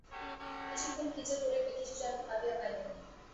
কিছুক্ষণ কী যে করিবে কিছু যেন ভাবিয়া পাইল না।